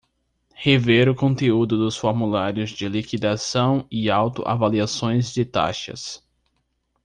Rever o conteúdo dos formulários de liquidação e auto-avaliações de taxas.